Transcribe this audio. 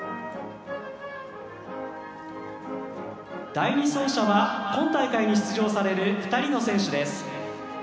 第２走者は今大会に出場される２人の選手です。